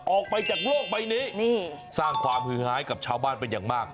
ออกไปจากโลกใบนี้สร้างความฮือหายกับชาวบ้านเป็นอย่างมาก